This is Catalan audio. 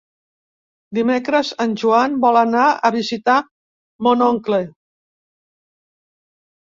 Dimecres en Joan vol anar a visitar mon oncle.